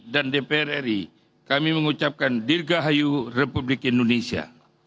dan dprri kami mengucapkan dirgahayu republik indonesia